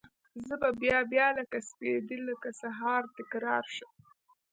زه به بیا، بیا لکه سپیدې لکه سهار، تکرار شم